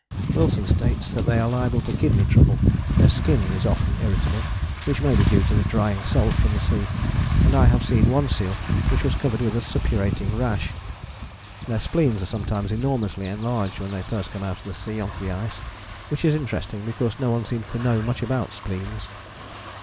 Wilson states that they are liable to kidney trouble: their skin is often irritable, which may be due to the drying salt from the sea; and I have seen one seal which was covered with a suppurating rash. Their spleens are sometimes enormously enlarged when they first come out of the sea on to the ice, which is interesting because no one seems to know much about spleens.